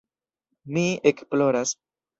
Mi ekploras.